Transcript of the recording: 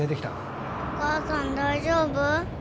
お母さん大丈夫？